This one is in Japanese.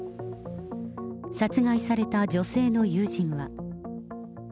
殺害された女性の友人は。